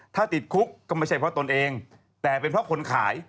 ถ้าติดคุกก็ไม่ใช่เพราะตนเองแต่เป็นเพราะคนขาย